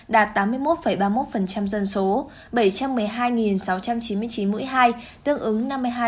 đạt tám mươi một ba mươi một dân số bảy trăm một mươi hai sáu trăm chín mươi chín mũi hai tương ứng năm mươi hai năm mươi một